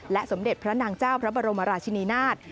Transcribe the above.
สมเด็จพระนางเจ้าพระบรมราชินีนาฏ